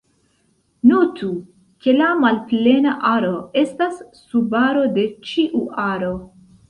Notu, ke la malplena aro estas subaro de ĉiu aro.